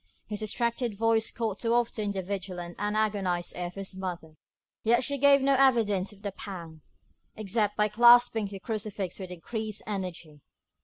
His distracted voice caught too often the vigilant and agonised ear of his mother; yet she gave no evidence of the pang, except by clasping her crucifix with increased energy.